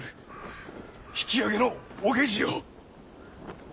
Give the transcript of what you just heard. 引き揚げのお下知を！